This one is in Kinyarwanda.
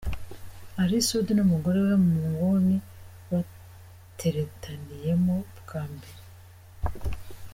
Ally Soudy n'umugore we mu nguni bateretaniyemo bwa mbere.